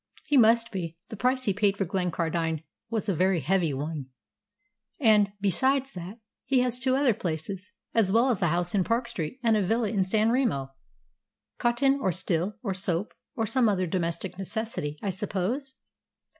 "He must be. The price he paid for Glencardine was a very heavy one; and, besides that, he has two other places, as well as a house in Park Street and a villa at San Remo." "Cotton, or steel, or soap, or some other domestic necessity, I suppose?"